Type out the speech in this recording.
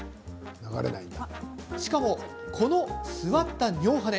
しかも、この座った尿ハネ